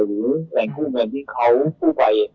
หรือแหล่งคู่เงินที่เขาคู่ไป